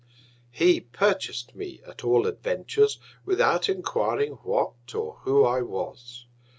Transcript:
He purchas'd me at all Adventures, without enquiring what, or who I was.